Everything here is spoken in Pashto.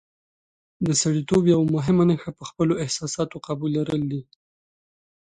د سړیتوب یوه مهمه نښه په خپلو احساساتو قابو لرل دي.